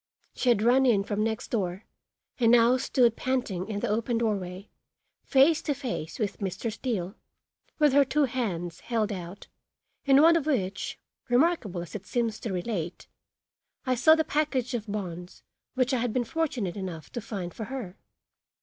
She had run in from next door and now stood panting in the open doorway face to face with Mr. Steele, with her two hands held out, in one of which, remarkable as it seems to relate, I saw the package of bonds which I had been fortunate enough to find for her.